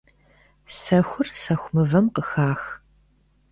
Сэхур сэху мывэм къыхах.